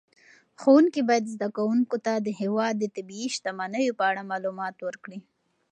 ښوونکي باید زده کوونکو ته د هېواد د طبیعي شتمنیو په اړه معلومات ورکړي.